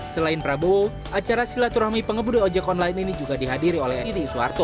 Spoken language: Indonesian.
selain prabowo acara silaturahmi pengemudi ojek online ini juga dihadiri oleh eni di suharto